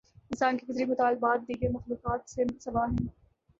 انسان کے فطری مطالبات، دیگر مخلوقات سے سوا ہیں۔